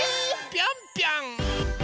ぴょんぴょん！